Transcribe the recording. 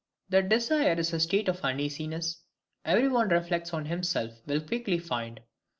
That desire is a state of uneasiness, every one who reflects on himself will quickly find.